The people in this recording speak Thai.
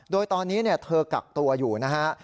โดยตอนนี้เธอกักตัวอยู่นะฮะ